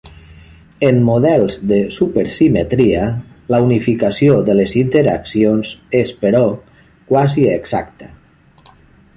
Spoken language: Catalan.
En models de supersimetria, la unificació de les interaccions és, però, quasi exacta.